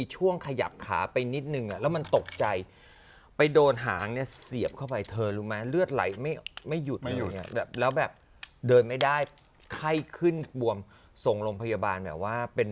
ช่วยคิดก่อนนอนคุณต้องคิดว่าคุณจะต้องตายแล้ว